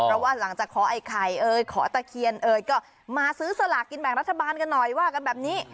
เพราะว่าหลังจากขอไอ้ไข่เอ่ยขอตะเคียนเอ่ยก็มาซื้อสลากกินแบ่งรัฐบาลกันหน่อยว่ากันแบบนี้